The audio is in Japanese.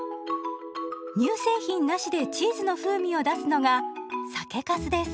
乳製品なしでチーズの風味を出すのが酒かすです。